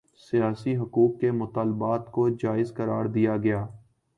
سیاسی حقوق کے مطالبات کوجائز قرار دیا گیا